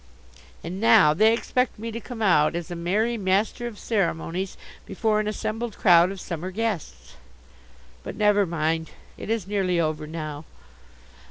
And now they expect me to come out as a merry master of ceremonies before an assembled crowd of summer guests. But never mind. It is nearly over now.